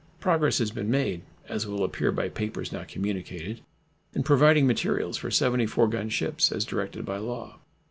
Progress has been made, as will appear by papers now communicated, in providing materials for 74 gun ships as directed by law.